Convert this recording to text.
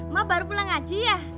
mak baru pulang aja ya